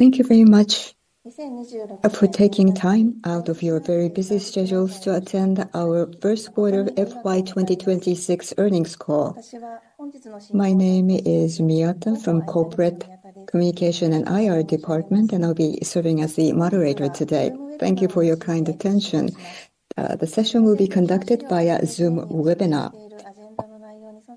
Thank you very much for taking time out of your very busy schedules to attend our Q1 FY 2026 earnings call. My name is Miyata from Corporate Communication and IR department, and I'll be serving as the moderator today. Thank you for your kind attention. The session will be conducted via Zoom webinar.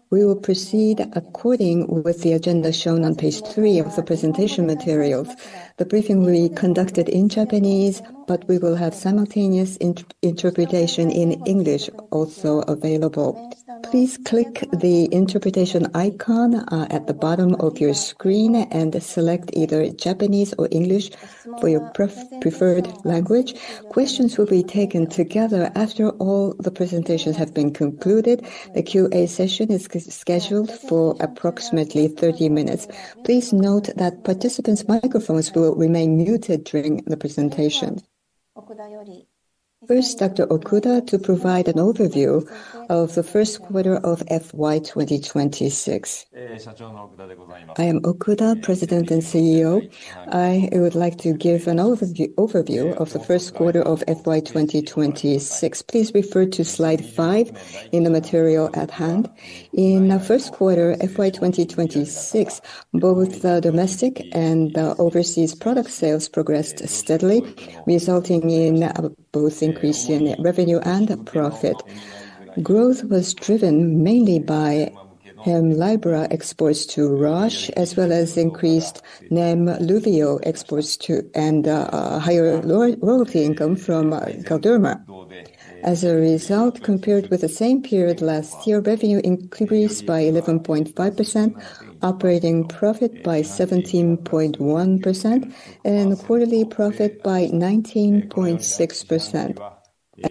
We will proceed according to the agenda shown on page three of the presentation materials. The briefing will be conducted in Japanese, but we will have simultaneous interpretation in English also available. Please click the interpretation icon at the bottom of your screen and select either Japanese or English for your preferred language. Questions will be taken together after all the presentations have been concluded. The Q&A session is scheduled for approximately 30 minutes. Please note that participants' microphones will remain muted during the presentation. First, Dr. Okuda to provide an overview of the Q1 of FY 2026. I am Okuda, President and CEO. I would like to give an overview of the Q1 of FY 2026. Please refer to slide five in the material at hand. In the Q1 of FY 2026, both domestic and overseas product sales progressed steadily, resulting in both increase in revenue and profit. Growth was driven mainly by Hemlibra exports to Roche, as well as increased Nemluvio exports to Galderma, and higher royalty income from Galderma. As a result, compared with the same period last year, revenue increased by 11.5%, operating profit by 17.1%, and quarterly profit by 19.6%.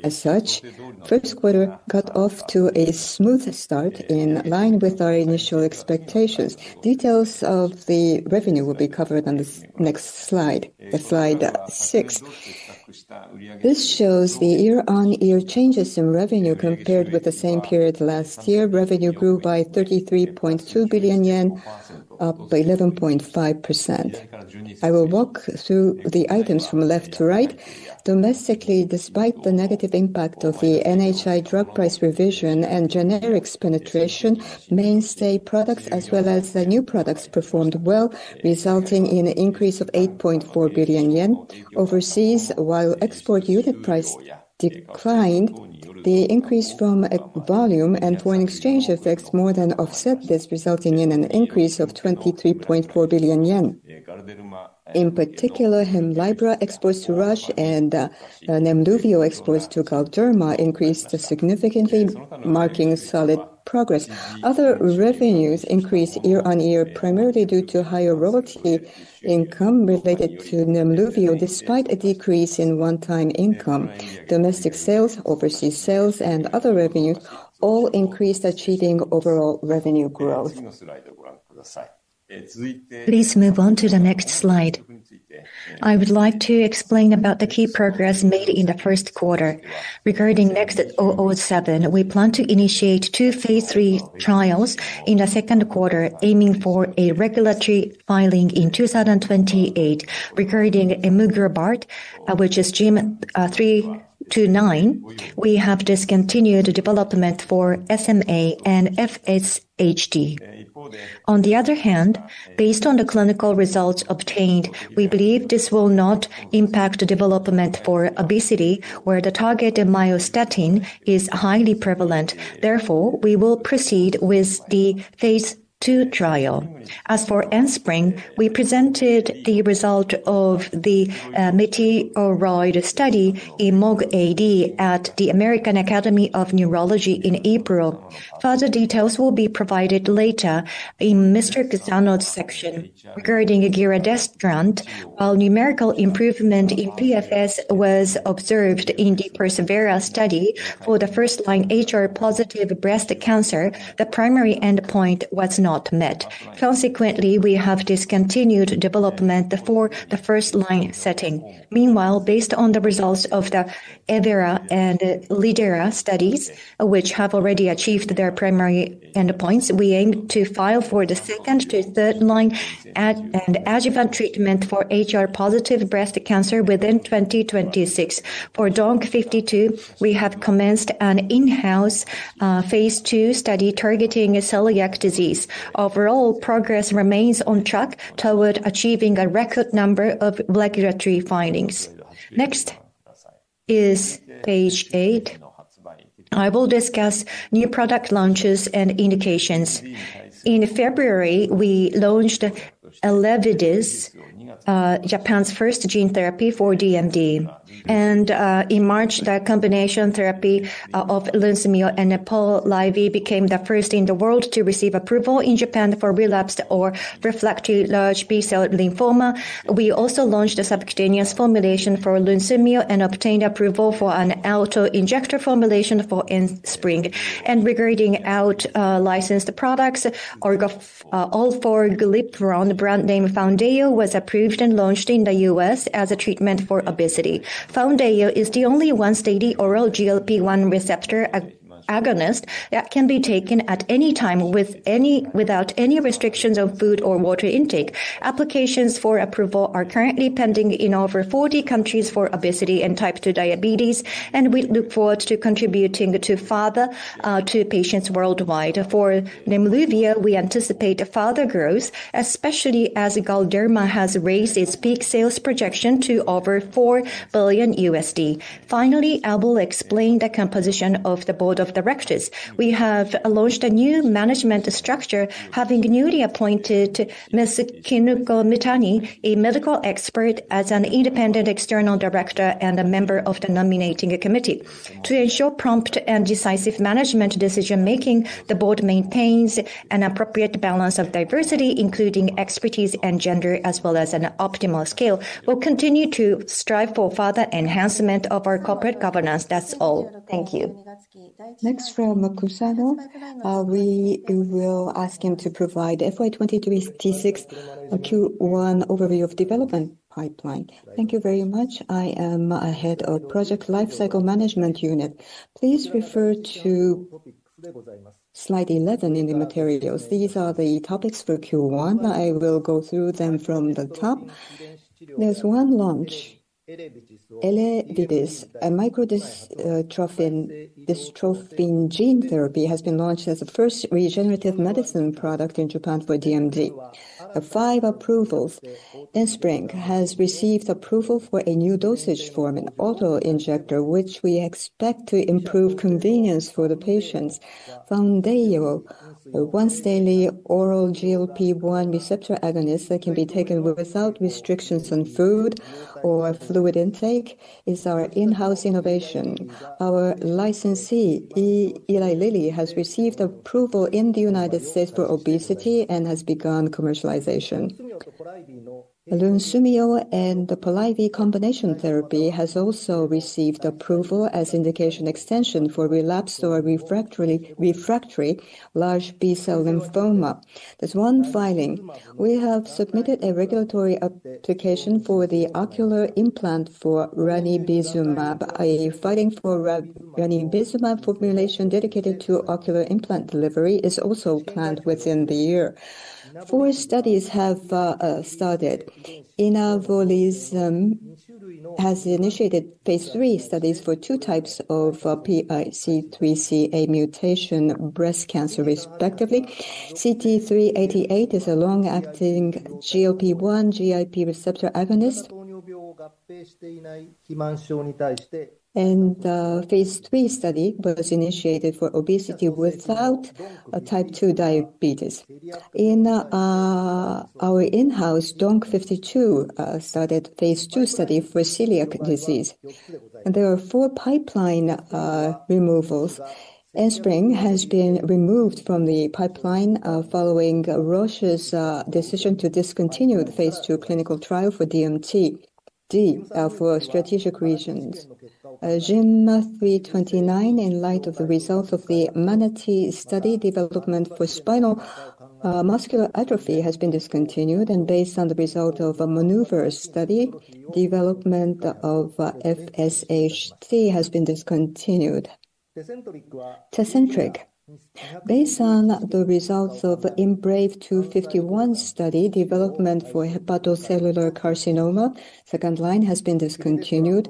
As such, Q1 got off to a smooth start in line with our initial expectations. Details of the revenue will be covered on the next slide six. This shows the year-on-year changes in revenue compared with the same period last year. Revenue grew by 33.2 billion yen, up 11.5%. I will walk through the items from left to right. Domestically, despite the negative impact of the NHI drug price revision and generics penetration, mainstay products as well as the new products performed well, resulting in an increase of 8.4 billion yen. Overseas, while export unit price declined, the increase from volume and foreign exchange effects more than offset this, resulting in an increase of 23.4 billion yen. In particular, Hemlibra exports to Roche and Nemluvio exports to Galderma increased significantly, marking solid progress. Other revenues increased year-on-year, primarily due to higher royalty income related to Nemluvio, despite a decrease in one-time income. Domestic sales, overseas sales, and other revenue all increased, achieving overall revenue growth. Please move on to the next slide. I would like to explain about the key progress made in the Q1. Regarding NXT007, we plan to initiate two phase III trials in the Q2, aiming for a regulatory filing in 2028. Regarding emugrobart, which is GYM329, we have discontinued development for SMA and FSHD. On the other hand, based on the clinical results obtained, we believe this will not impact the development for obesity, where the target of myostatin is highly prevalent. Therefore, we will proceed with the phase II trial. As for Enspryng, we presented the result of the METEOROID study in MOGAD at the American Academy of Neurology in April. Further details will be provided later in Mr. Kusano's section. Regarding giredestrant, while numerical improvement in PFS was observed in the persevERA study for the first-line HR-positive breast cancer, the primary endpoint was not met. Consequently, we have discontinued development for the first-line setting. Meanwhile, based on the results of the evERA and lidERA studies, which have already achieved their primary endpoints, we aim to file for the second- to third-line adjuvant treatment for HR-positive breast cancer within 2026. For DONQ52, we have commenced an in-house phase II study targeting celiac disease. Overall, progress remains on track toward achieving a record number of regulatory filings. Next is page eight. I will discuss new product launches and indications. In February, we launched ELEVIDYS, Japan's first gene therapy for DMD. In March, the combination therapy of Lunsumio and Polivy became the first in the world to receive approval in Japan for relapsed or refractory large B-cell lymphoma. We also launched a subcutaneous formulation for Lunsumio and obtained approval for an auto-injector formulation for Enspryng. Regarding out-licensed products, orforglipron, brand name Foundayo, was approved and launched in the U.S. as a treatment for obesity. Foundayo is the only once-daily oral GLP-1 receptor agonist that can be taken at any time without any restrictions on food or water intake. Applications for approval are currently pending in over 40 countries for obesity and type II diabetes, and we look forward to contributing to patients worldwide. For Nemluvio, we anticipate further growth, especially as Galderma has raised its peak sales projection to over $4 billion. Finally, I will explain the composition of the board of directors. We have launched a new management structure, having newly appointed Ms. Kinuko Mitani, a medical expert, as an independent external director and a member of the nominating committee. To ensure prompt and decisive management decision-making, the board maintains an appropriate balance of diversity, including expertise and gender, as well as an optimal scale. We'll continue to strive for further enhancement of our corporate governance. That's all. Thank you. Next from Kusano. We will ask him to provide FY 2026 Q1 overview of development pipeline. Thank you very much. I am head of Project & Lifecycle Management Unit. Please refer to slide 11 in the materials. These are the topics for Q1. I will go through them from the top. There's one launch, ELEVIDYS. A microdystrophin gene therapy has been launched as a first regenerative medicine product in Japan for DMD. For five approvals, Enspryng has received approval for a new dosage form, an auto-injector, which we expect to improve convenience for the patients. Foundayo, a once daily oral GLP-1 receptor agonist that can be taken without restrictions on food or fluid intake, is our in-house innovation. Our licensee, Eli Lilly, has received approval in the United States for obesity and has begun commercialization. Lunsumio and the Polivy combination therapy has also received approval as indication extension for relapsed or refractory large B-cell lymphoma. There's one filing. We have submitted a regulatory application for the ocular implant for Ranibizumab, a filing for Ranibizumab formulation dedicated to ocular implant delivery is also planned within the year. Four studies have started. Inavolisib has initiated phase III studies for two types of PIK3CA mutation breast cancer, respectively. CT-388 is a long-acting GLP-1/GIP receptor agonist. Phase III study was initiated for obesity without type II diabetes. Our in-house DONQ52 started phase II study for celiac disease. There are four pipeline removals. Enspryng has been removed from the pipeline following Roche's decision to discontinue the phase II clinical trial for DMD for strategic reasons. GYM329, in light of the results of the MANATEE study, development for spinal muscular atrophy has been discontinued, and based on the result of a MANEUVER study, development of FSHD has been discontinued. Tecentriq, based on the results of the IMbrave251 study, development for second-line hepatocellular carcinoma has been discontinued.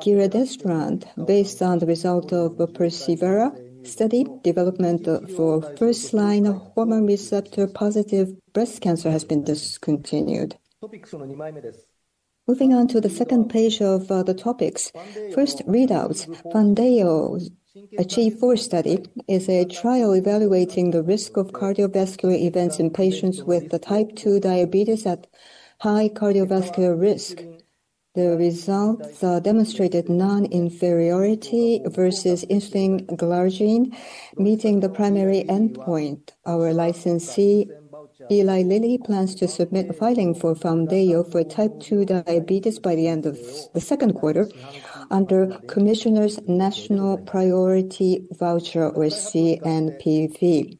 Giredestrant, based on the result of the persevERA study, development for first-line hormone receptor-positive breast cancer has been discontinued. Moving on to the second page of the topics. First, readouts. The Foundayo ACHIEVE-4 study is a trial evaluating the risk of cardiovascular events in patients with type II diabetes at high cardiovascular risk. The results demonstrated non-inferiority versus insulin glargine, meeting the primary endpoint. Our licensee, Eli Lilly, plans to submit a filing for Foundayo for type II diabetes by the end of the Q2 under Commissioner's National Priority Voucher or CNPV.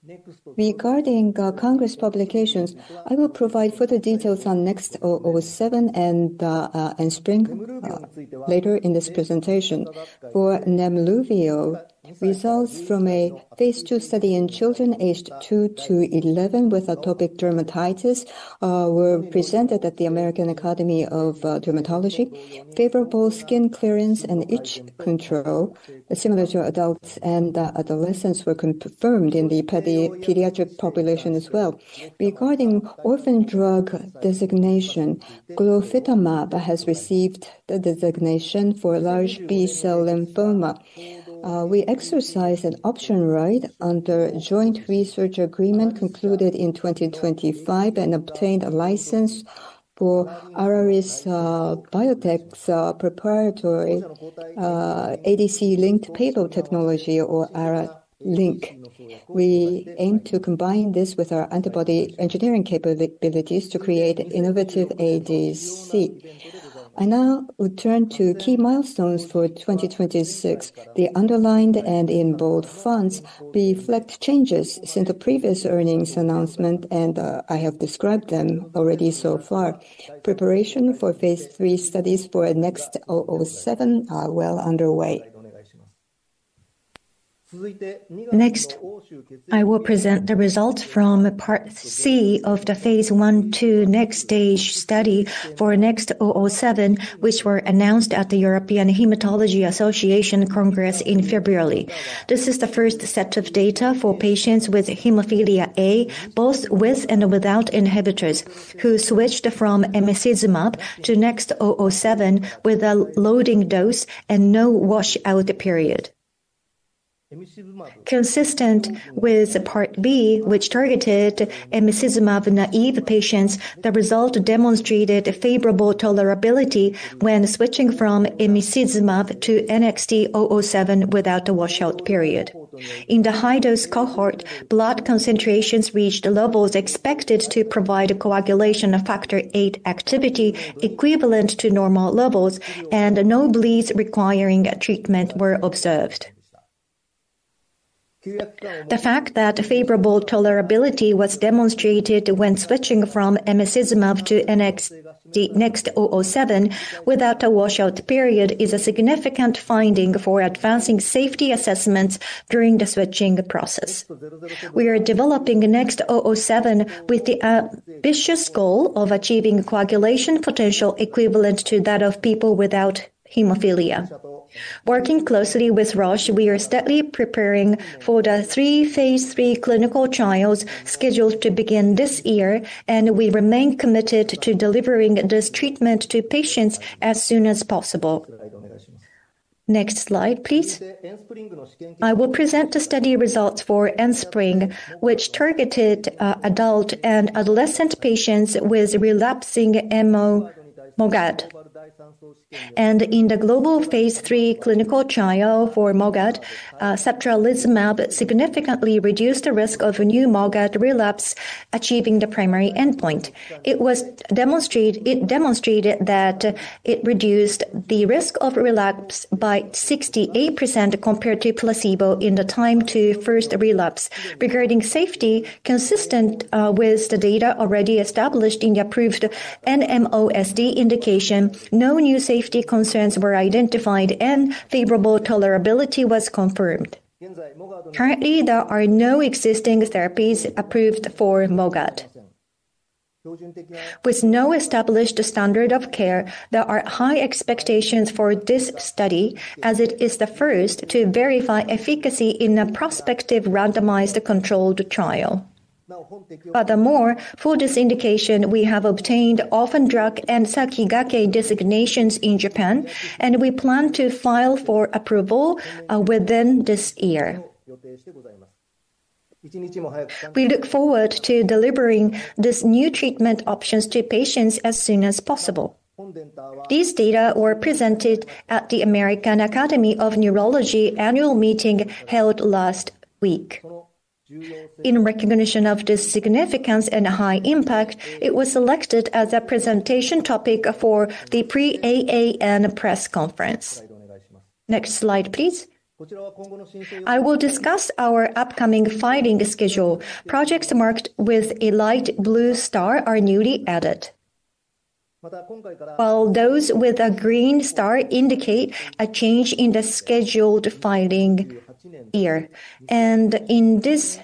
Regarding Congress publications, I will provide further details on NXT007 and Enspryng later in this presentation. For Nemluvio, results from a phase II study in children aged two to 11 with atopic dermatitis were presented at the American Academy of Dermatology. Favorable skin clearance and itch control similar to adults and adolescents were confirmed in the pediatric population as well. Regarding orphan drug designation, glofitamab has received the designation for large B-cell lymphoma. We exercised an option right under a joint research agreement concluded in 2025 and obtained a license for Araris Biotech's proprietary ADC-linked payload technology or Araris Linker. We aim to combine this with our antibody engineering capabilities to create innovative ADC. I now would turn to key milestones for 2026. The underlined and in bold fonts reflect changes since the previous earnings announcement, and I have described them already so far. Preparation for phase III studies for NXT007 are well underway. Next, I will present the results from part C of the phase I/II NXTAGE study for NXT007, which were announced at the European Hematology Association Congress in February. This is the first set of data for patients with hemophilia A, both with and without inhibitors, who switched from Emicizumab to NXT007 with a loading dose and no washout period. Consistent with part B, which targeted Emicizumab-naive patients, the result demonstrated a favorable tolerability when switching from Emicizumab to NXT007 without a washout period. In the high-dose cohort, blood concentrations reached levels expected to provide coagulation factor VIII activity equivalent to normal levels, and no bleeds requiring treatment were observed. The fact that the favorable tolerability was demonstrated when switching from Emicizumab to NXT007 without a washout period is a significant finding for advancing safety assessments during the switching process. We are developing NXT007 with the ambitious goal of achieving coagulation potential equivalent to that of people without hemophilia. Working closely with Roche, we are steadily preparing for the three phase III clinical trials scheduled to begin this year, and we remain committed to delivering this treatment to patients as soon as possible. Next slide, please. I will present the study results for Enspryng, which targeted adult and adolescent patients with relapsing MOGAD. In the global phase III clinical trial for MOGAD, satralizumab significantly reduced the risk of a new MOGAD relapse achieving the primary endpoint. It demonstrated that it reduced the risk of relapse by 68% compared to placebo in the time to first relapse. Regarding safety, consistent with the data already established in the approved NMOSD indication, no new safety concerns were identified, and favorable tolerability was confirmed. Currently, there are no existing therapies approved for MOGAD. With no established standard of care, there are high expectations for this study, as it is the first to verify efficacy in a prospective randomized controlled trial. Furthermore, for this indication, we have obtained Orphan Drug and Sakigake designations in Japan, and we plan to file for approval within this year. We look forward to delivering these new treatment options to patients as soon as possible. These data were presented at the American Academy of Neurology annual meeting held last week. In recognition of this significance and high impact, it was selected as a presentation topic for the pre-AAN press conference. Next slide, please. I will discuss our upcoming filing schedule. Projects marked with a light blue star are newly added, while those with a green star indicate a change in the scheduled filing year. In this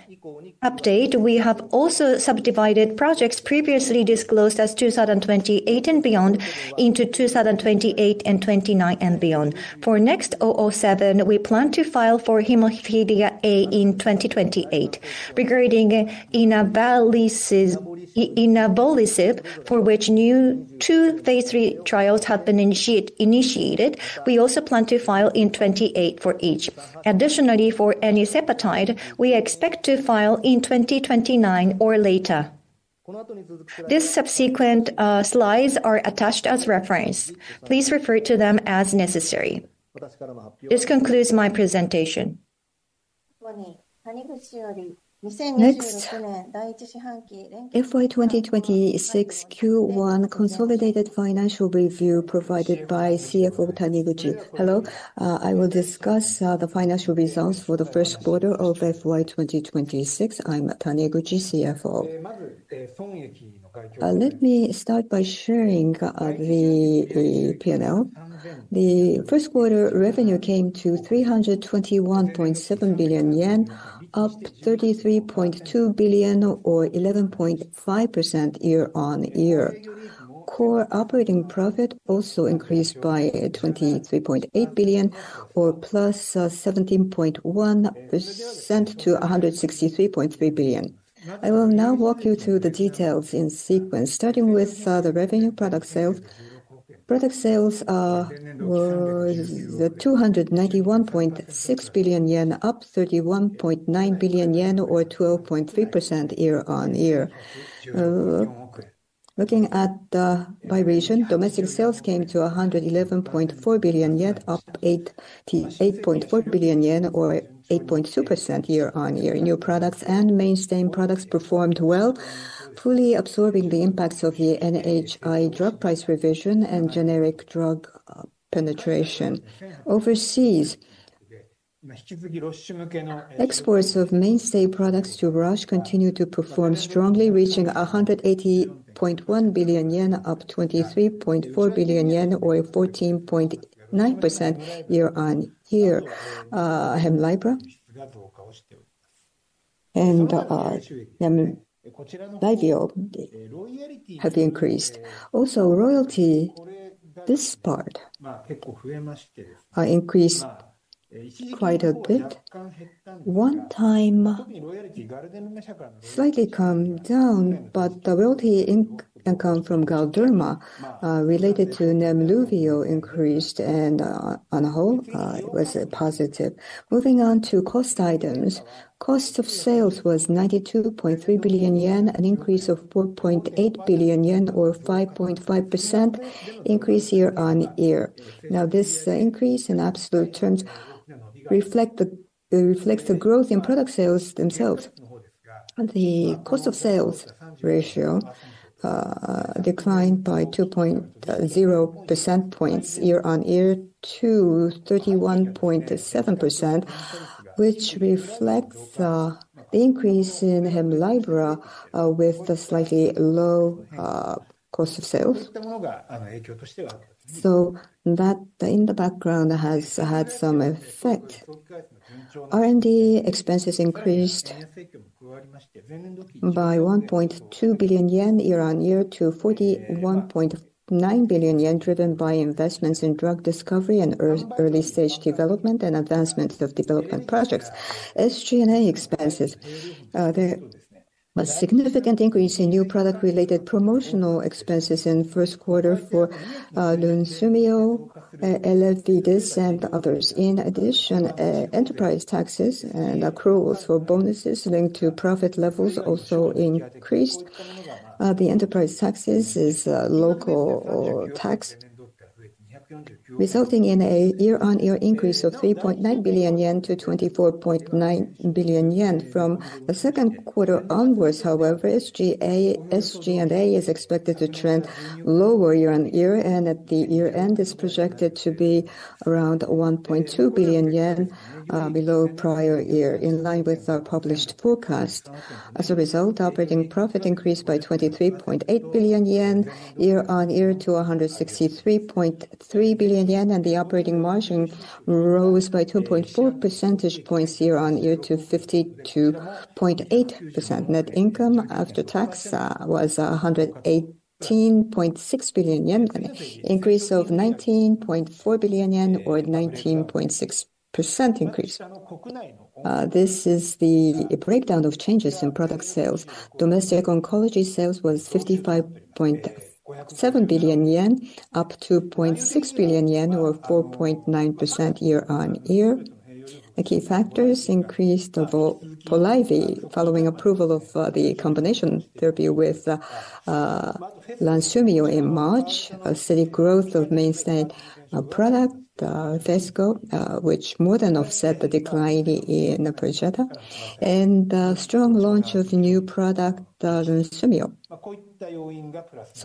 update, we have also subdivided projects previously disclosed as 2028 and beyond into 2028 and 2029 and beyond. For NXT007, we plan to file for hemophilia A in 2028. Regarding inebilizumab, for which two new phase III trials have been initiated, we also plan to file in 2028 for each. Additionally, for eneboparatide, we expect to file in 2029 or later. These subsequent slides are attached as reference. Please refer to them as necessary. This concludes my presentation. Next, FY 2026 Q1 consolidated financial review provided by CFO Taniguchi. Hello. I will discuss the financial results for the Q1 of FY 2026. I'm Taniguchi, CFO. Let me start by sharing the P&L. The Q1 revenue came to 321.7 billion yen, up 33.2 billion, or 11.5% year-over-year. Core operating profit also increased by 23.8 billion, or plus 17.1% to 163.3 billion. I will now walk you through the details in sequence, starting with the revenue product sales. Product sales were 291.6 billion yen, up 31.9 billion yen or 12.3% year-over-year. Looking at it by region, domestic sales came to 111.4 billion yen, up 8.4 billion yen or 8.2% year-over-year. New products and mainstay products performed well, fully absorbing the impacts of the NHI drug price revision and generic drug penetration. Overseas, exports of mainstay products to Roche continued to perform strongly, reaching 180.1 billion yen, up 23.4 billion yen or 14.9% year-on-year. Hemlibra and Nemluvio have increased. Also royalty, this part, increased quite a bit. One time, slightly come down, but the royalty income from Galderma related to Nemluvio increased, and on a whole, it was positive. Moving on to cost items. Cost of sales was 92.3 billion yen, an increase of 4.8 billion yen, or 5.5% increase year-on-year. Now, this increase in absolute terms reflects the growth in product sales themselves. The cost of sales ratio declined by 2.0 percentage points year-on-year to 31.7%, which reflects the increase in Hemlibra, with the slightly low cost of sales. That, in the background, has had some effect. R&D expenses increased by 1.2 billion yen year-on-year to 41.9 billion yen, driven by investments in drug discovery and early stage development and advancements of development projects. SG&A expenses. There was a significant increase in new product-related promotional expenses in the Q1 for Lunsumio, and others. In addition, enterprise taxes and accruals for bonuses linked to profit levels also increased. The enterprise taxes are a local tax, resulting in a year-on-year increase of 3.9 billion-24.9 billion yen. From the Q2 onwards, however, SG&A is expected to trend lower year-on-year, and at the year-end is projected to be around 1.2 billion yen below prior year, in line with our published forecast. As a result, operating profit increased by 23.8 billion yen year-on-year to 163.3 billion yen, and the operating margin rose by 2.4 percentage points year-on-year to 52.8%. Net income after tax was 118.6 billion yen, an increase of 19.4 billion yen, or a 19.6% increase. This is the breakdown of changes in product sales. Domestic oncology sales was 55.7 billion yen, up 2.6 billion yen, or 4.9% year-on-year. The key factors increased for Polivy, following approval of the combination therapy with Lunsumio in March. A steady growth of mainstay product, Tecentriq, which more than offset the decline in Neupogen. The strong launch of new product, Lunsumio.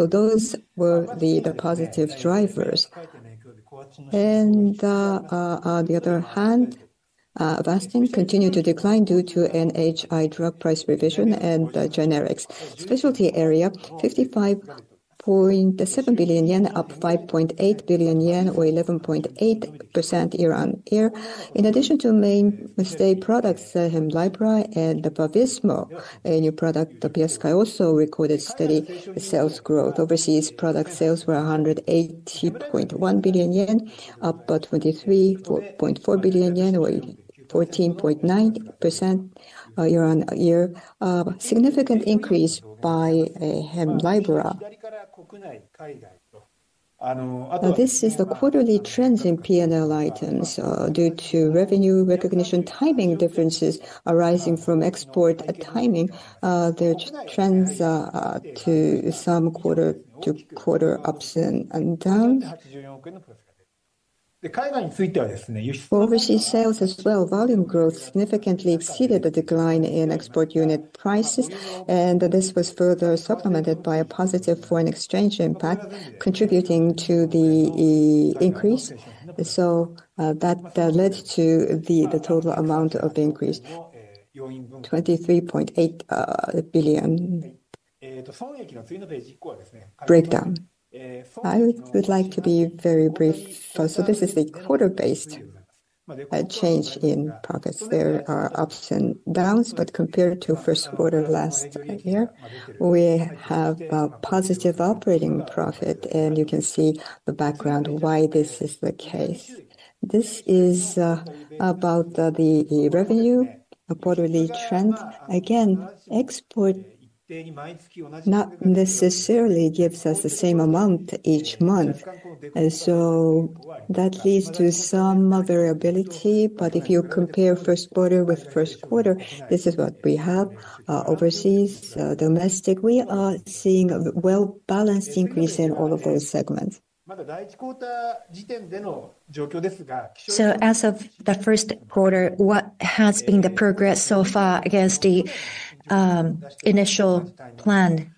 Those were the positive drivers. On the other hand, Avastin continued to decline due to an NHI drug price revision and generics. Specialty area, 55.7 billion yen, up 5.8 billion yen, or 11.8% year-on-year. In addition to mainstay products, Hemlibra and Vabysmo, a new product, PiaSky, also recorded steady sales growth. Overseas product sales were 180.1 billion yen, up by 23.4 billion yen, or 14.9% year-on-year. A significant increase by Hemlibra. Now, this is the quarterly trends in P&L items. Due to revenue recognition, timing differences arising from export timing, there are trends to some quarter-to-quarter ups and downs. Overseas sales as well, volume growth significantly exceeded the decline in export unit prices, and this was further supplemented by a positive foreign exchange impact contributing to the increase. That led to the total amount of the increase, 23.8 billion. Breakdown. I would like to be very brief. This is a quarter-based change in profits. There are ups and downs, but compared to Q1 last year, we have a positive operating profit, and you can see the background why this is the case. This is about the revenue, a quarterly trend. Again, export not necessarily gives us the same amount each month. That leads to some variability. If you compare Q1 with Q1, this is what we have. Overseas, domestic, we are seeing a well-balanced increase in all of those segments. As of the Q1, what has been the progress so far against the initial plan?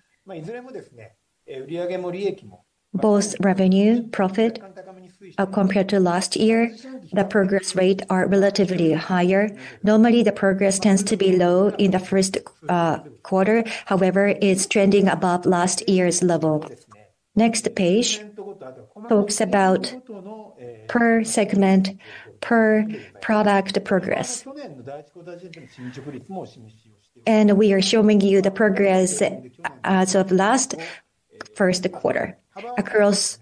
Both revenue, profit, compared to last year, the progress rate are relatively higher. Normally, the progress tends to be low in the Q1. However, it's trending above last year's level. Next page talks about per segment, per product progress. We are showing you the progress as of last Q1. Across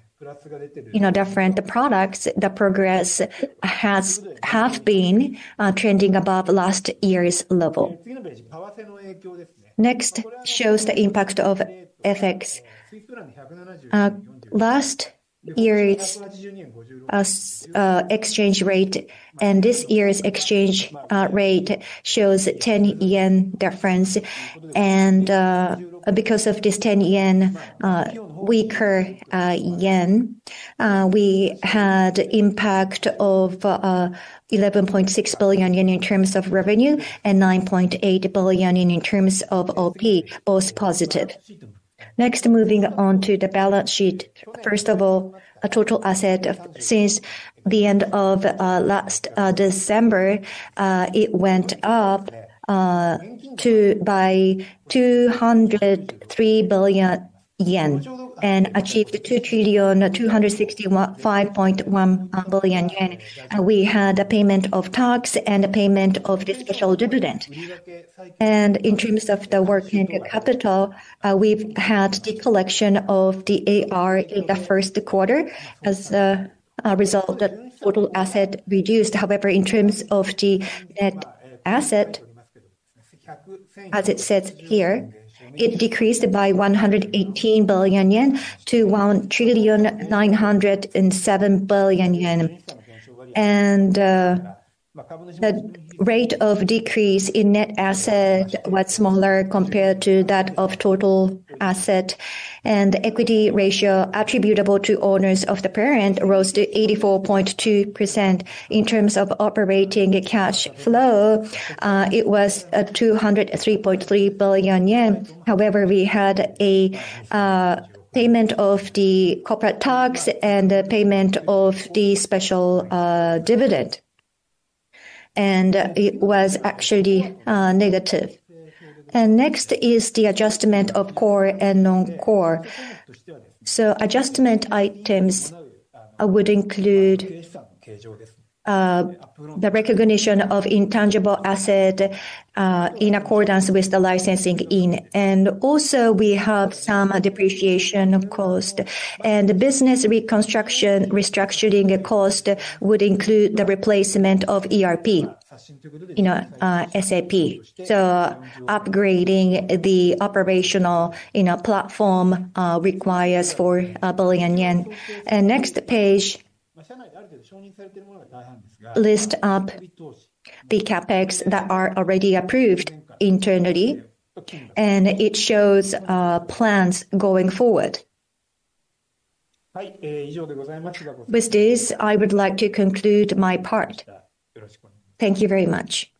different products, the progress have been trending above last year's level. Next shows the impact of FX. Last year's exchange rate and this year's exchange rate shows 10 yen difference. Because of this 10 yen, weaker yen, we had impact of 11.6 billion yen in terms of revenue and 9.8 billion yen in terms of OP, both positive. Next, moving on to the balance sheet. First of all, total assets since the end of last December, it went up by 203 billion yen and achieved 2,265.1 billion yen. We had a payment of tax and a payment of the special dividend. In terms of the working capital, we've had the collection of the AR in the Q1. As a result, the total assets reduced. However, in terms of the net assets, as it says here, it decreased by 118 billion-1,907 billion yen. The rate of decrease in net assets was smaller compared to that of total assets. Equity ratio attributable to owners of the parent rose to 84.2%. In terms of operating cash flow, it was at 203.3 billion yen. However, we had a payment of the corporate tax and a payment of the special dividend, and it was actually negative. Next is the adjustment of core and non-core. Adjustment items would include the recognition of intangible asset, in accordance with the licensing in. Also we have some depreciation cost. Business reconstruction restructuring cost would include the replacement of ERP, SAP. Upgrading the operational platform requires 4 billion yen. Next page lists up the CapEx that are already approved internally, and it shows plans going forward. With this, I would like to conclude my part. Thank you very much.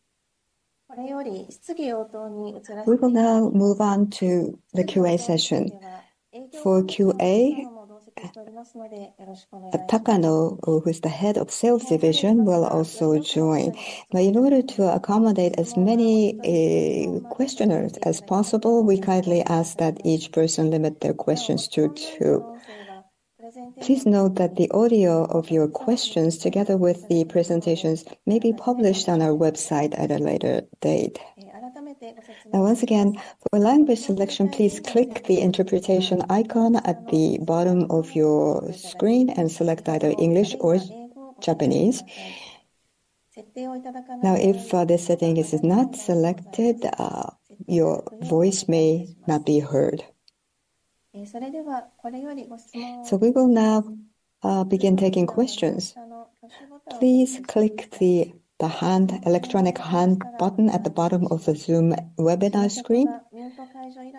We will now move on to the QA session. For QA, Takano, who is the Head of Sales Division, will also join. Now, in order to accommodate as many questioners as possible, we kindly ask that each person limit their questions to two. Please note that the audio of your questions, together with the presentations, may be published on our website at a later date. Now, once again, for language selection, please click the interpretation icon at the bottom of your screen and select either English or Japanese. Now, if this setting is not selected, your voice may not be heard. We will now begin taking questions. Please click the electronic hand button at the bottom of the Zoom webinar screen.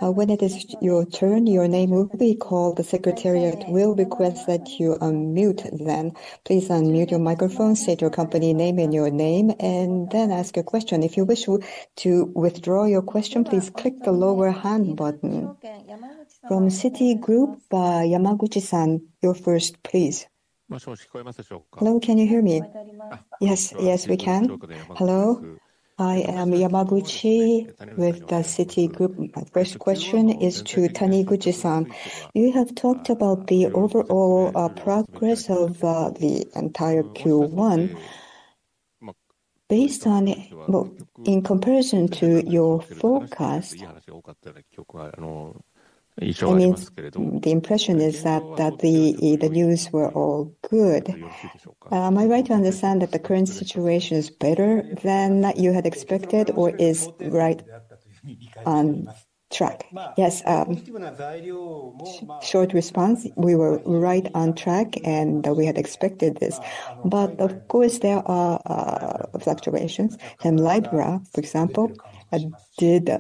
When it is your turn, your name will be called. The secretariat will request that you unmute then. Please unmute your microphone, state your company name and your name, and then ask a question. If you wish to withdraw your question, please click the lower hand button. From Citigroup, Yamaguchi-san, you're first, please. Hello, can you hear me? Yes. Yes, we can. Hello, I am Yamaguchi with Citigroup. My first question is to Taniguchi-san. You have talked about the overall progress of the entire Q1. In comparison to your forecast, I mean, the impression is that the news were all good. Am I right to understand that the current situation is better than you had expected or is right on track? Yes. Short response, we were right on track, and we had expected this. Of course, there are fluctuations. Hemlibra, for example, did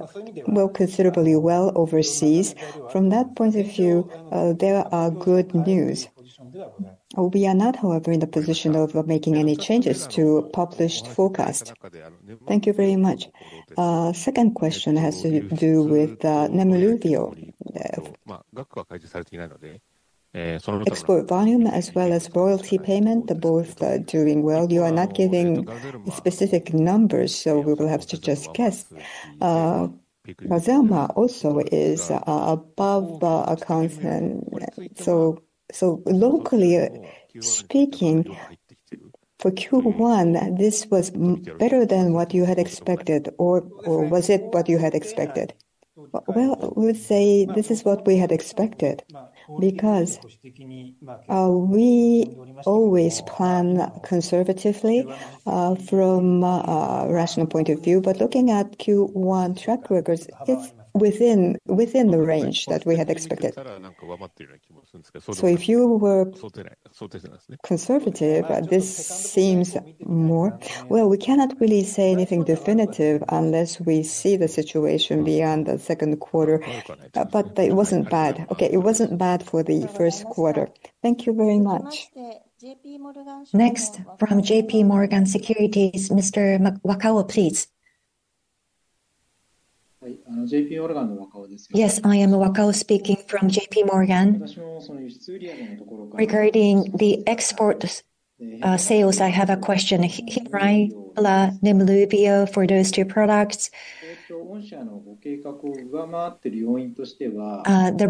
considerably well overseas. From that point of view, there are good news. We are not, however, in the position of making any changes to published forecast. Thank you very much. Second question has to do with Nemluvio. Export volume as well as royalty payment, both are doing well. You are not giving specific numbers, so we will have to just guess. Rozlytrek also is above the account, so locally speaking for Q1, this was better than what you had expected, or was it what you had expected? Well, I would say this is what we had expected because we always plan conservatively from a rational point of view. Looking at Q1 track records, it's within the range that we had expected. If you were conservative, this seems more. Well, we cannot really say anything definitive unless we see the situation beyond the Q2. It wasn't bad. Okay. It wasn't bad for the Q1. Thank you very much. Next from JPMorgan Securities, Mr. Wakao, please. Hi. JPMorgan, Wakao speaking. Yes, I am Wakao speaking from JPMorgan. Regarding the export sales, I have a question. Hemlibra for those two products. The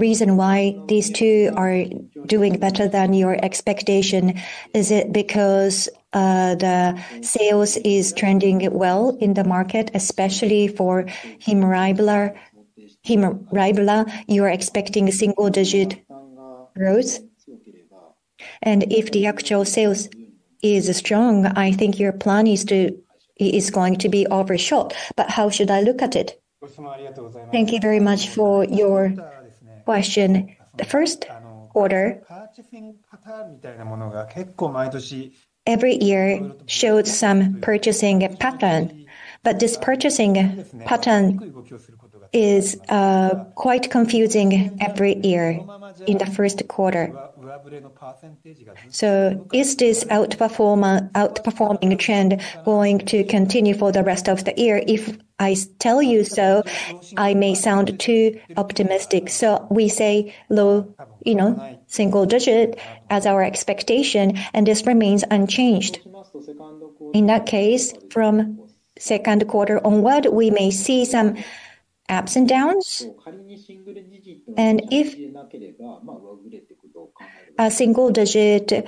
reason why these two are doing better than your expectation, is it because the sales is trending well in the market, especially for Hemlibra? You're expecting a single-digit growth? If the actual sales is strong, I think your plan is going to be overshot. How should I look at it? Thank you very much for your question. The Q1, every year showed some purchasing pattern, but this purchasing pattern is quite confusing every year in the Q1. Is this outperforming trend going to continue for the rest of the year? If I tell you so, I may sound too optimistic. We say low single-digit as our expectation, and this remains unchanged. In that case, from Q2 onward, we may see some ups and downs. If a single-digit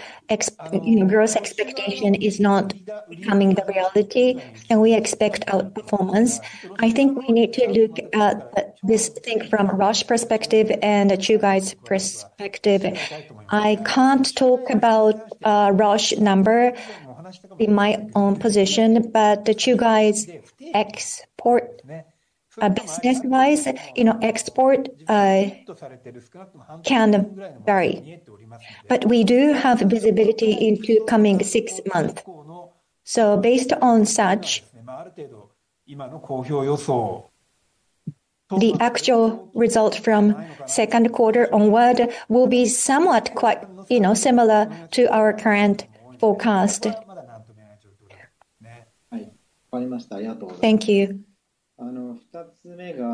growth expectation is not becoming the reality and we expect outperformance, I think we need to look at this thing from Roche perspective and the Chugai's perspective. I can't talk about Roche number in my own position, but the Chugai's export business-wise, export can vary. We do have visibility into coming six months. Based on such, the actual result from Q2 onward will be somewhat quite similar to our current forecast. Thank you.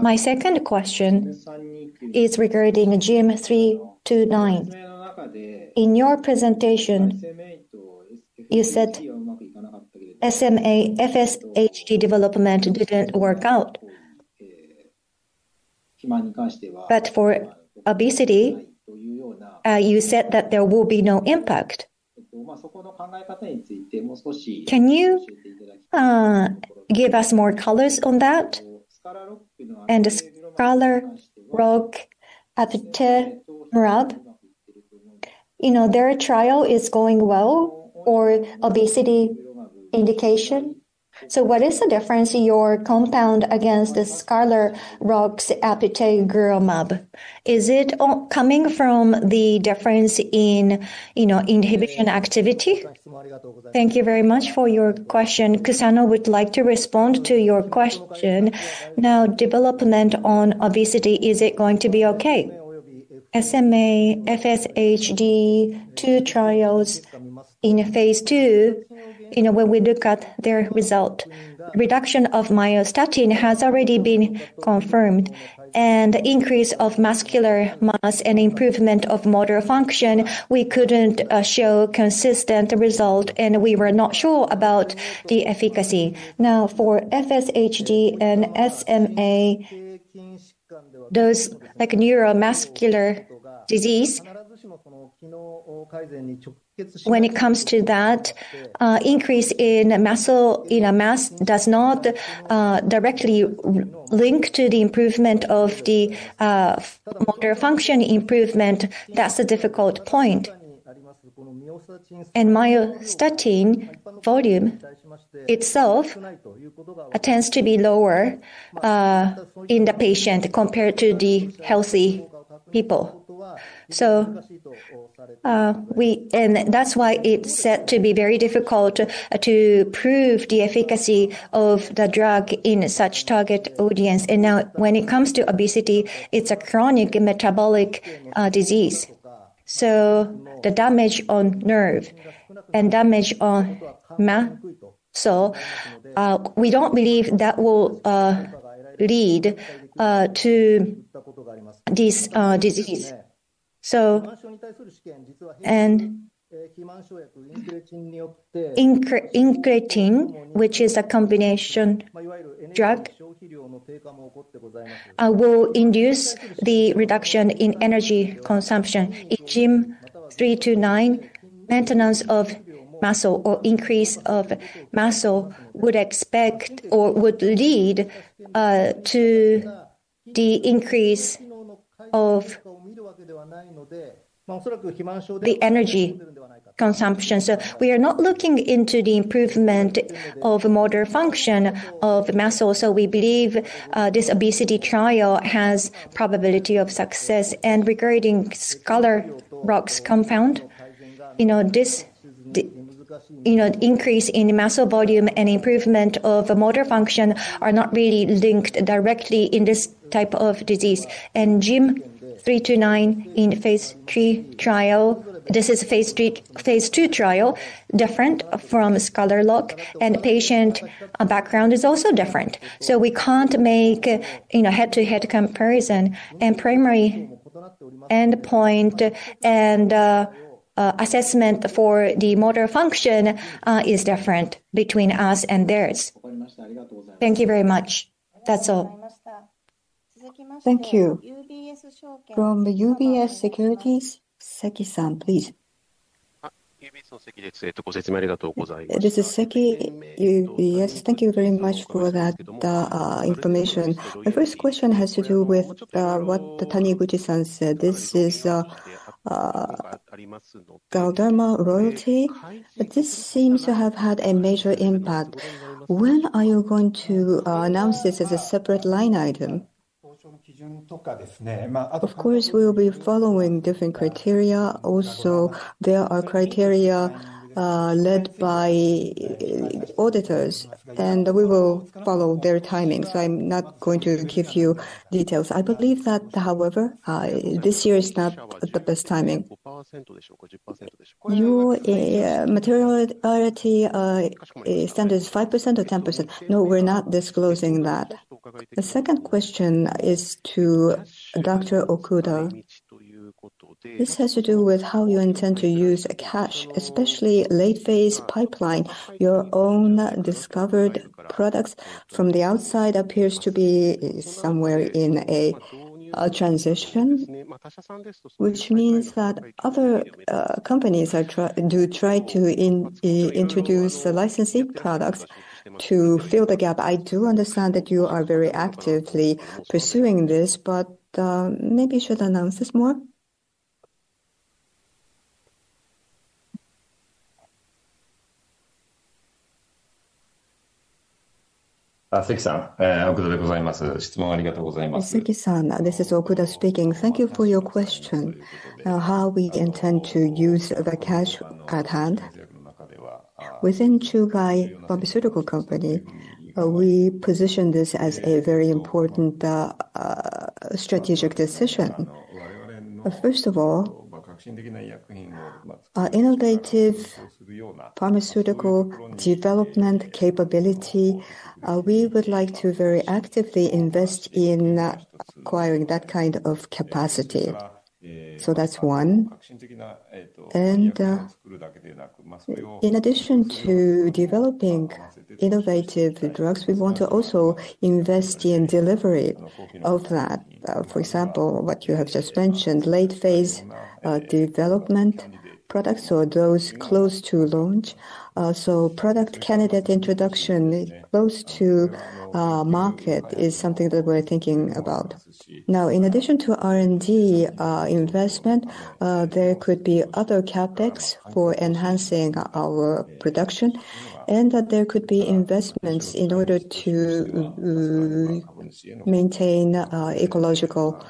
My second question is regarding GYM329. In your presentation, you said SMA, FSHD development didn't work out. For obesity, you said that there will be no impact. Can you give us more color on that? The Scholar Rock apitegromab, their trial is going well for obesity indication. What is the difference in your compound against the Scholar Rock's apitegromab? Is it coming from the difference in inhibition activity? Thank you very much for your question. Kusano would like to respond to your question. Now, development on obesity, is it going to be okay? SMA, FSHD, two trials in phase II, when we look at their results, reduction of myostatin has already been confirmed, and increase of muscle mass and improvement of motor function, we couldn't show consistent results, and we were not sure about the efficacy. Now, for FSHD and SMA, those neuromuscular diseases, when it comes to that, increase in mass does not directly link to the improvement of motor function. That's a difficult point. Myostatin volume itself tends to be lower in the patient compared to the healthy people. That's why it's said to be very difficult to prove the efficacy of the drug in such target audience. Now when it comes to obesity, it's a chronic metabolic disease. The damage on nerve and damage on muscle, we don't believe that will lead to this disease. Incretin, which is a combination drug will induce the reduction in energy consumption. In GYM329, maintenance of muscle or increase of muscle would expect or would lead to the increase of the energy consumption. We are not looking into the improvement of motor function of muscle. We believe this obesity trial has probability of success. Regarding Scholar Rock's compound, this increase in muscle volume and improvement of motor function are not really linked directly in this type of disease. GYM329 in phase III trial. This is phase II trial, different from Scholar Rock, and patient background is also different. We can't make head-to-head comparison. Primary endpoint and assessment for the motor function is different between us and theirs. Thank you very much. That's all. Thank you. From the UBS Securities, Seki-san, please. This is Seki. Yes, thank you very much for that information. The first question has to do with what Iwaaki Taniguchi-san said. This is Galderma royalty. This seems to have had a major impact. When are you going to announce this as a separate line item? Of course, we will be following different criteria. Also, there are criteria led by auditors, and we will follow their timing. I'm not going to give you details. I believe that, however, this year is not the best timing. Your materiality standard is 5% or 10%? No, we're not disclosing that. The second question is to Dr. Okuda. This has to do with how you intend to use cash, especially late phase pipeline. Your own discovered products from the outside appears to be somewhere in a transition, which means that other companies do try to introduce licensing products to fill the gap. I do understand that you are very actively pursuing this, but maybe you should announce this more. Seki-san, this is Okuda speaking. Thank you for your question. How we intend to use the cash at hand. Within Chugai Pharmaceutical Company, we position this as a very important strategic decision. First of all, our innovative pharmaceutical development capability, we would like to very actively invest in acquiring that kind of capacity. That's one. In addition to developing innovative drugs, we want to also invest in delivery of that. For example, what you have just mentioned, late phase development products or those close to launch. Product candidate introduction close to market is something that we're thinking about. Now, in addition to R&D investment, there could be other CapEx for enhancing our production, and that there could be investments in order to maintain ecological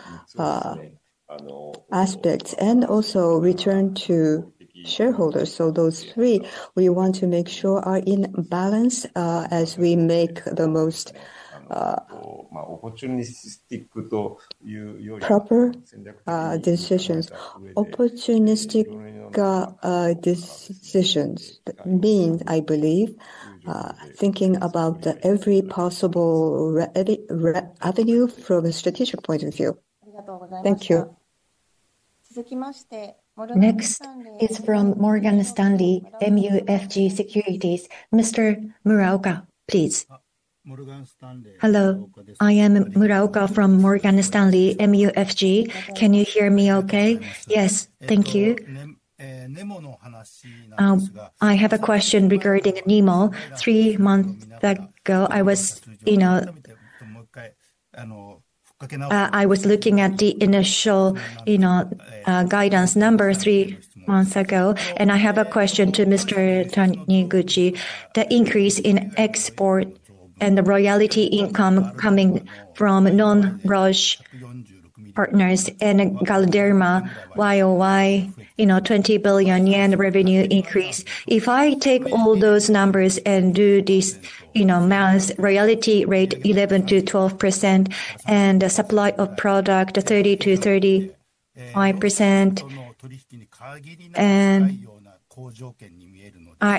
aspects and also return to shareholders. Those three, we want to make sure are in balance as we make the most proper decisions. Opportunistic decisions. Being, I believe, thinking about every possible avenue from a strategic point of view. Thank you. Next is from Morgan Stanley MUFG Securities. Mr. Muraoka, please. Hello. I am Muraoka from Morgan Stanley MUFG. Can you hear me okay? Yes. Thank you. I have a question regarding NEMO. Three months ago, I was looking at the initial guidance number three months ago, and I have a question to Mr. Taniguchi. The increase in export and the royalty income coming from non-Roche partners and Galderma, YoY, 20 billion yen revenue increase. If I take all those numbers and do this math, royalty rate 11%-12% and the supply of product 30%-35%.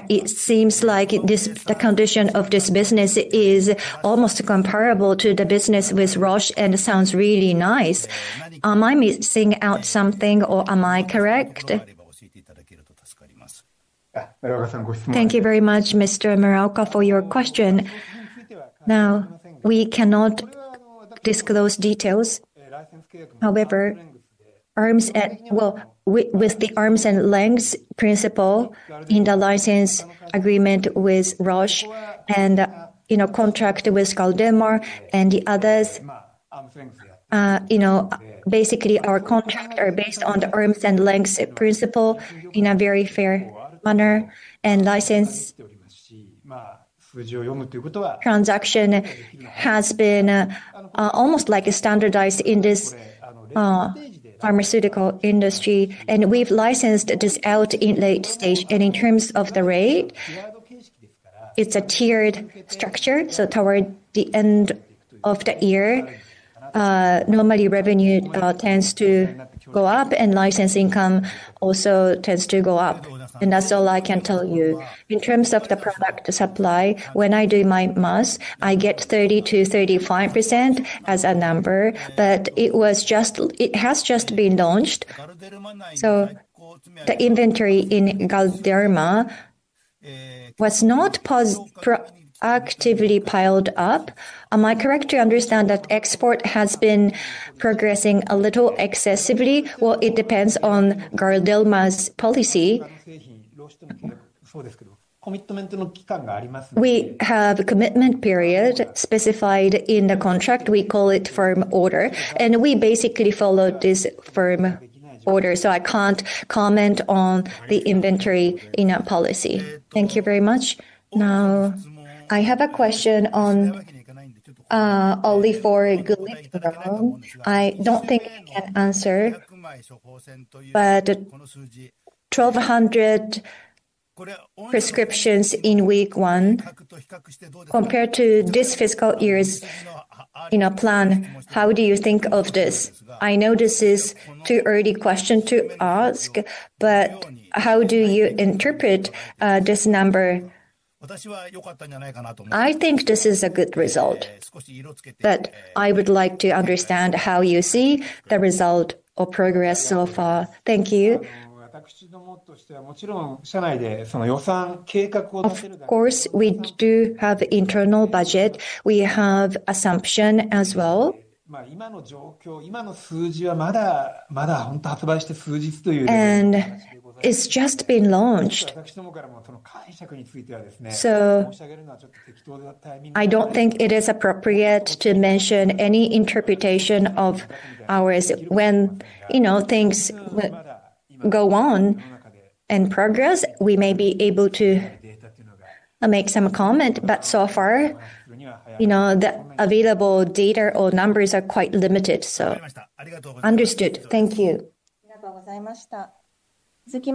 It seems like the condition of this business is almost comparable to the business with Roche and it sounds really nice. Am I missing out something or am I correct? Thank you very much, Mr. Muraoka, for your question. Now, we cannot disclose details. However, with the arm's length principle in the license agreement with Roche and contract with Galderma and the others, basically our contract are based on the arm's length principle in a very fair manner, and license transaction has been almost standardized in this pharmaceutical industry, and we've licensed this out in late-stage. In terms of the rate, it's a tiered structure, so toward the end of the year, normally revenue tends to go up and license income also tends to go up. That's all I can tell you. In terms of the product supply, when I do my math, I get 30%-35% as a number, but it has just been launched, so the inventory in Galderma was not proactively piled up. Am I correct to understand that export has been progressing a little excessively? Well, it depends on Galderma's policy. We have a commitment period specified in the contract. We call it firm order, and we basically follow this firm order. I can't comment on the inventory in our policy. Thank you very much. Now, I have a question on Oley for glimepiride. I don't think I can answer, but 1,200 prescriptions in week one compared to this fiscal year's plan. How do you think of this? I know this is too early question to ask, but how do you interpret this number? I think this is a good result, but I would like to understand how you see the result or progress so far. Thank you. Of course, we do have internal budget. We have assumption as well, and it's just been launched. I don't think it is appropriate to mention any interpretation of ours. When things go on and progress, we may be able to make some comment. So far, the available data or numbers are quite limited. Understood. Thank you. Thank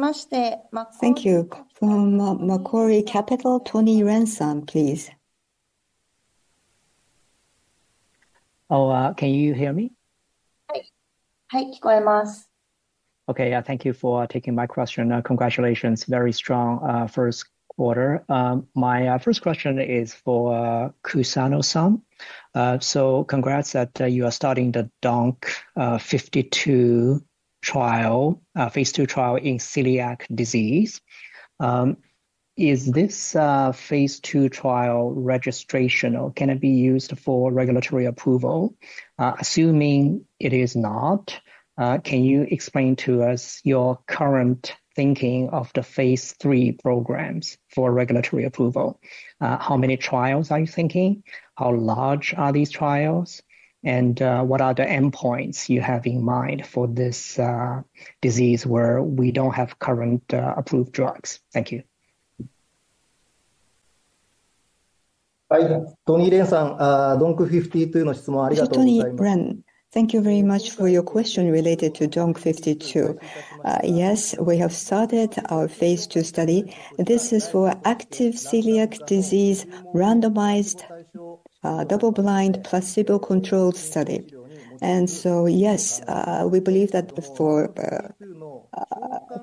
you. From Macquarie Capital, Tony Ren-san, please. Oh, can you hear me? Hi. Okay. Thank you for taking my question. Congratulations. Very strong Q1. My first question is for Kusano-san. Congrats that you are starting the DONQ52 phase II trial in celiac disease. Is this a phase II trial registrational? Can it be used for regulatory approval? Assuming it is not, can you explain to us your current thinking of the phase III programs for regulatory approval? How many trials are you thinking? How large are these trials? And what are the endpoints you have in mind for this disease where we don't have current approved drugs? Thank you. Thank you very much for your question related to DONQ52. Yes, we have started our phase II study. This is for active celiac disease randomized, double-blind, placebo-controlled study. Yes, we believe that for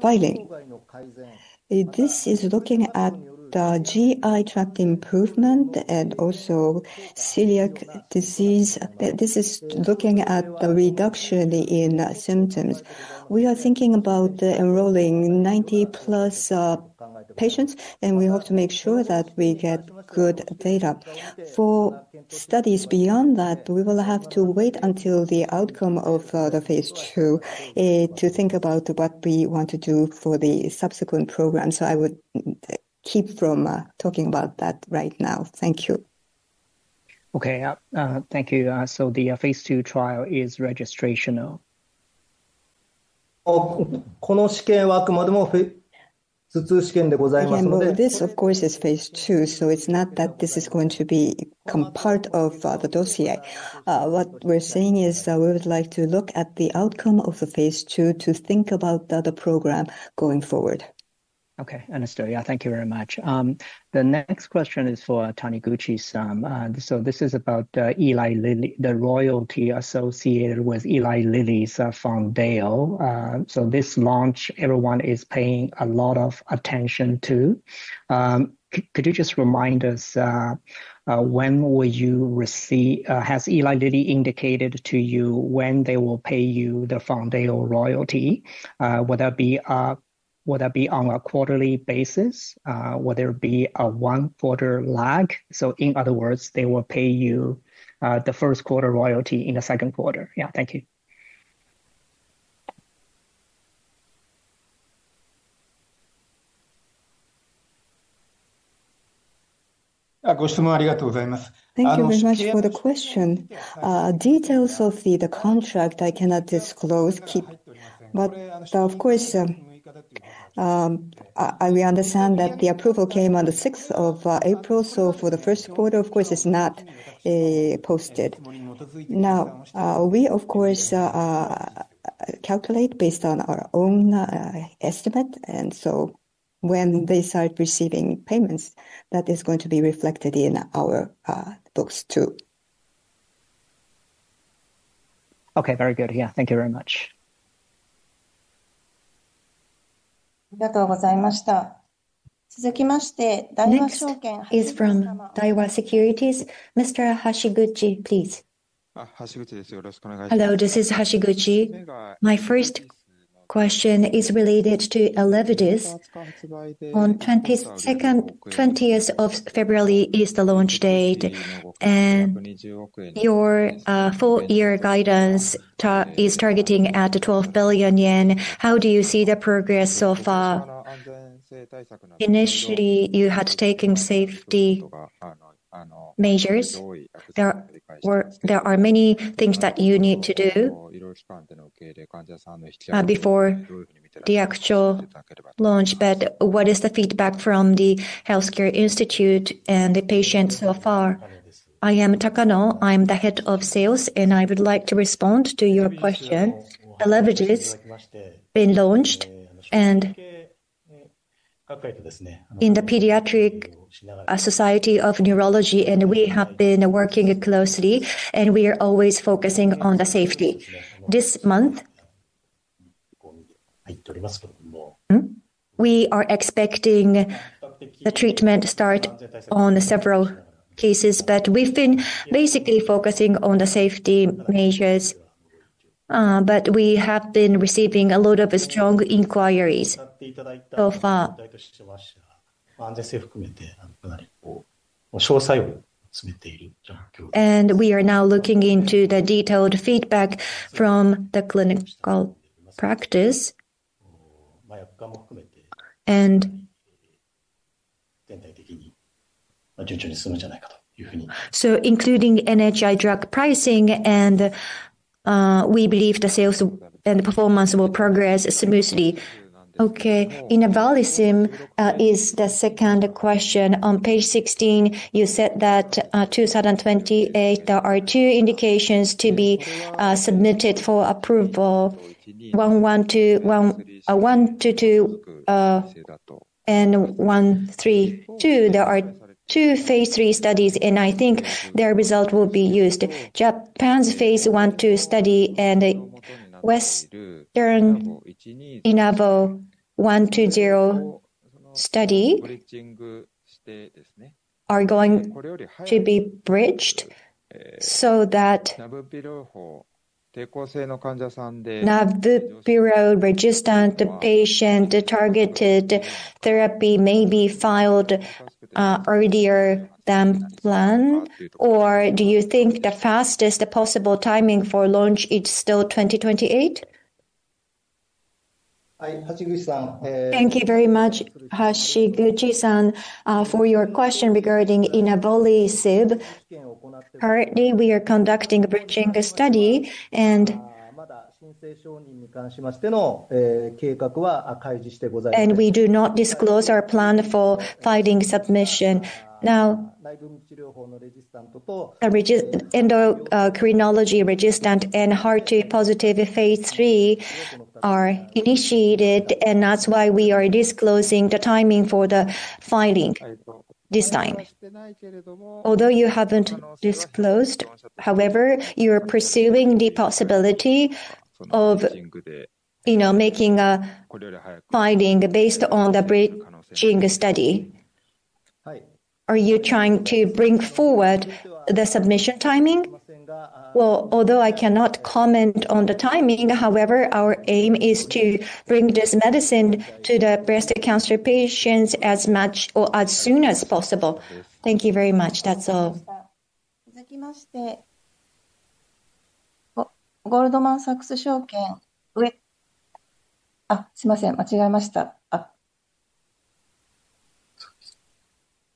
filing. This is looking at the GI tract improvement and also celiac disease. This is looking at a reduction in symptoms. We are thinking about enrolling 90+ patients, and we hope to make sure that we get good data. For studies beyond that, we will have to wait until the outcome of the phase II to think about what we want to do for the subsequent program. I would keep from talking about that right now. Thank you. Okay. Thank you. The phase II trial is registrational. Again, well, this of course is phase II, so it's not that this is going to become part of the dossier. What we're saying is that we would like to look at the outcome of the phase II to think about the other program going forward. Okay, understood. Yeah, thank you very much. The next question is for Taniguchi-san. This is about the royalty associated with Eli Lilly's Foundayo. This launch, everyone is paying a lot of attention to. Could you just remind us, has Eli Lilly indicated to you when they will pay you the Foundayo royalty? Will that be on a quarterly basis? Will there be a one-quarter lag? In other words, they will pay you the Q1 royalty in the Q2. Yeah. Thank you. Thank you very much for the question. Details of the contract I cannot disclose, but of course, we understand that the approval came on the 6th of April. For the Q1, of course, it's not posted. Now, we of course calculate based on our own estimate, and so when we start receiving payments, that is going to be reflected in our books, too. Okay, very good. Yeah. Thank you very much. Next is from Daiwa Securities. Mr. Hashiguchi, please. Hello, this is Hashiguchi. My first question is related to ELEVIDYS. On 20th of February is the launch date. Your full year guidance is targeting at 12 billion yen. How do you see the progress so far? Initially, you had taken safety measures, or there are many things that you need to do before the actual launch. What is the feedback from the healthcare institute and the patients so far? I am Takano, I'm the head of sales, and I would like to respond to your question. ELEVIDYS has been launched and in the Pediatric Society of Neurology, and we have been working closely, and we are always focusing on the safety. This month, we are expecting the treatment start on several cases, but we've been basically focusing on the safety measures. We have been receiving a lot of strong inquiries so far. We are now looking into the detailed feedback from the clinical practice. Including NHI drug pricing, and we believe the sales and performance will progress smoothly. Okay. Inavolisib is the second question. On page 16, you said that 2028, there are two indications to be submitted for approval. 112, 122, and 132. There are two phase III studies, and I think their result will be used. Japan's phase I/II study and Western INAVO120 study are going to be bridged so that everolimus resistant patient targeted therapy may be filed earlier than planned. Or do you think the fastest possible timing for launch is still 2028? Thank you very much, Hashiguchi-san, for your question regarding Inavolisib. Currently, we are conducting a bridging study and we do not disclose our plan for filing submission. Now, endocrine-resistant and HER2-positive phase III are initiated, and that's why we are disclosing the timing for the filing this time. Although you haven't disclosed, however, you're pursuing the possibility of making a filing based on the bridging study. Hi. Are you trying to bring forward the submission timing? Well, although I cannot comment on the timing, however, our aim is to bring this medicine to the breast cancer patients as soon as possible. Thank you very much. That's all. Goldman Sachs.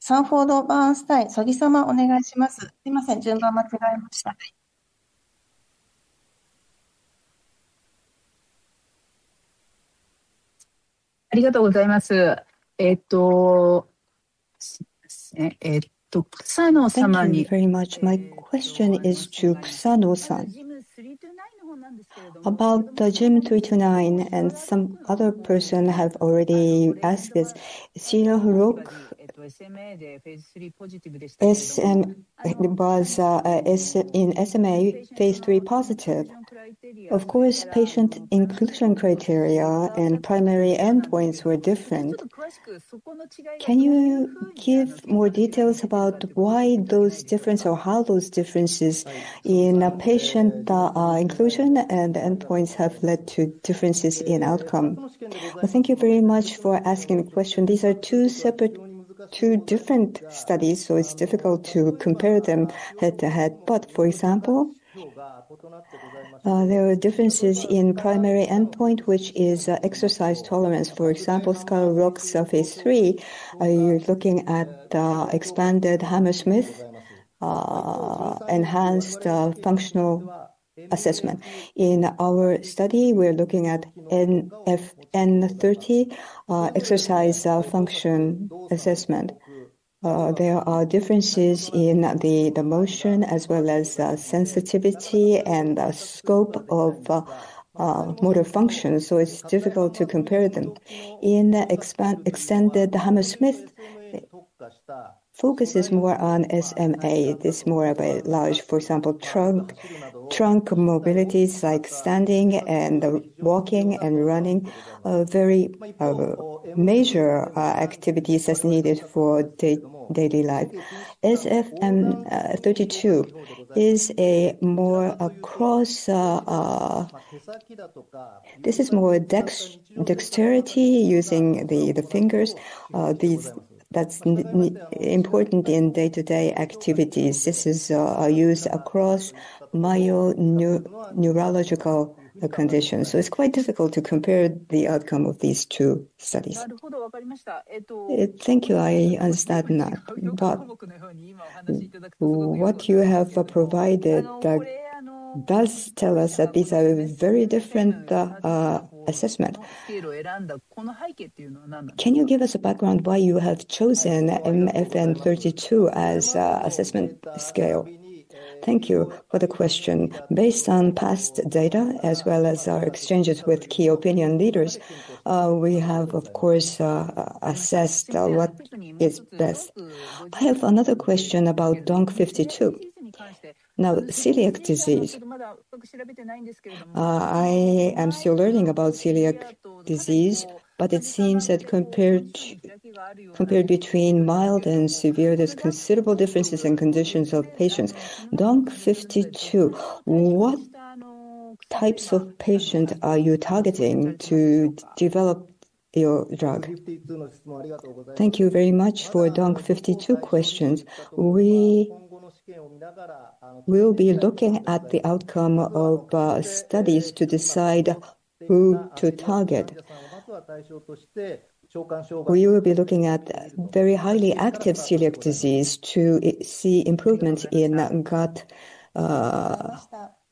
Thank you very much. My question is to Kusano-san. About GYM329, some other person has already asked this. It was positive in SMA phase III. Of course, patient inclusion criteria and primary endpoints were different. Can you give more details about why those differences, or how those differences in patient inclusion and endpoints have led to differences in outcome? Well, thank you very much for asking the question. These are two separate, two different studies, so it's difficult to compare them head-to-head. For example, there were differences in primary endpoint, which is exercise tolerance. For example, Scholar Rock phase III, you're looking at the expanded Hammersmith enhanced functional assessment. In our study, we're looking at NFN30 exercise function assessment. There are differences in the motion as well as sensitivity and scope of motor function, so it's difficult to compare them. In expanded Hammersmith, the focus is more on SMA. It is more of a large, for example, trunk mobilities like standing and walking and running, very major activities as needed for daily life. SFM32, this is more dexterity, using the fingers. That's important in day-to-day activities. This is used across myoneurological conditions, so it's quite difficult to compare the outcome of these two studies. Thank you. I understand that. But what you have provided does tell us that these are very different assessment. Can you give us a background why you have chosen MFM32 as assessment scale? Thank you for the question. Based on past data as well as our exchanges with key opinion leaders, we have of course, assessed what is best. I have another question about DONQ52. Now, celiac disease. I am still learning about celiac disease, but it seems that compared between mild and severe, there's considerable differences in conditions of patients. DONQ52, what types of patient are you targeting to develop your drug? Thank you very much for DONQ52 questions. We will be looking at the outcome of studies to decide who to target. We will be looking at very highly active celiac disease to see improvement in that gut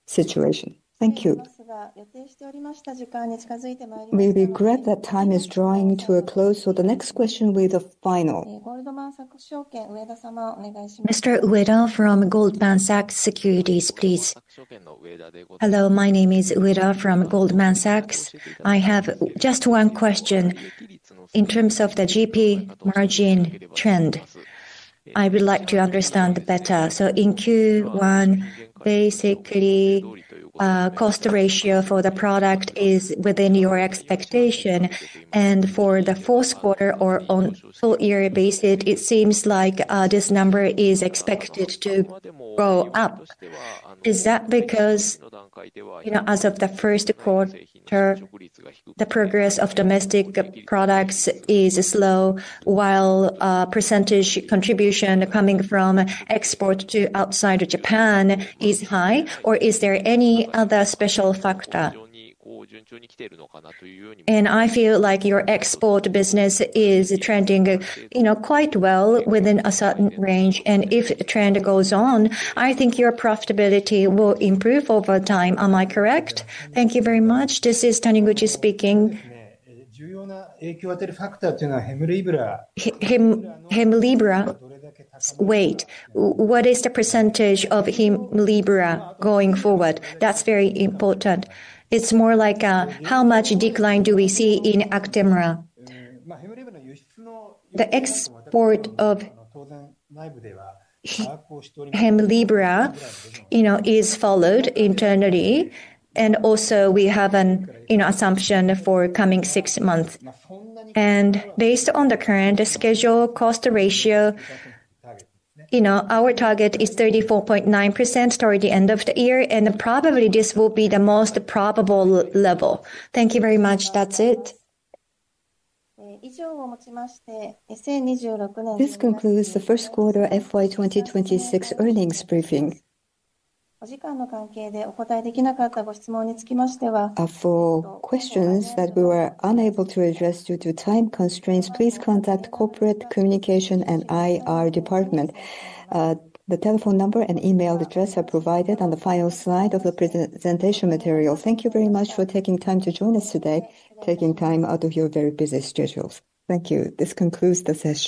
situation. Thank you. We regret that time is drawing to a close, so the next question will be the final. Mr. Ueda from Goldman Sachs Securities please. Hello, my name is Ueda from Goldman Sachs. I have just one question. In terms of the GP margin trend, I would like to understand better. In Q1, basically, cost ratio for the product is within your expectation, and for the Q4 or on full year basis, it seems like this number is expected to go up. Is that because, as of the Q1, the progress of domestic products is slow while percentage contribution coming from export to outside of Japan is high, or is there any other special factor? I feel like your export business is trending quite well within a certain range, and if trend goes on, I think your profitability will improve over time. Am I correct? Thank you very much. This is Taniguchi speaking. Hemlibra weight, what is the percentage of Hemlibra going forward? That's very important. It's more like, how much decline do we see in Actemra? The export of Hemlibra is followed internally, and also we have an assumption for coming six months. Based on the current SG&A cost ratio, our target is 34.9% toward the end of the year, and probably this will be the most probable level. Thank you very much. That's it. This concludes the Q1 FY 2026 earnings briefing. For questions that we were unable to address due to time constraints, please contact Corporate Communication and IR Department. The telephone number and email address are provided on the final slide of the presentation material. Thank you very much for taking time to join us today, taking time out of your very busy schedules. Thank you. This concludes the session.